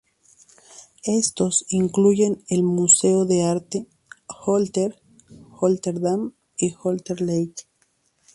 Estos incluyen el Museo de Arte Holter, Holter Dam y Holter Lake.